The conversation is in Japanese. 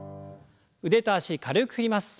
腕と脚軽く振ります。